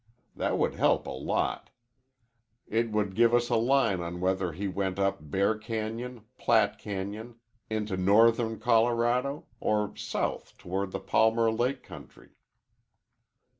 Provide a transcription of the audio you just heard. That would help a lot. It would give us a line on whether he went up Bear Cañon, Platte Cañon, into Northern Colorado, or south toward the Palmer Lake country."